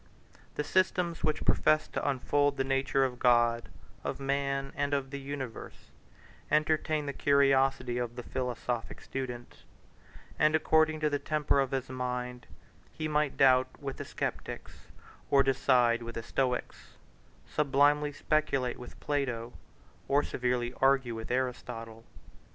The systems which professed to unfold the nature of God, of man, and of the universe, entertained the curiosity of the philosophic student; and according to the temper of his mind, he might doubt with the Sceptics, or decide with the Stoics, sublimely speculate with Plato, or severely argue with Aristotle.